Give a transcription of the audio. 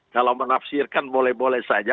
kalau menafsirkan boleh boleh saja